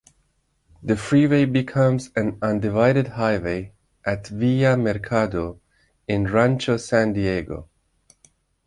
The freeway becomes an undivided highway at Via Mercado in Rancho San Diego.